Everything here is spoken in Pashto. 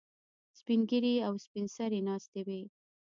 سپین ږیري او سپین سرې ناستې وي.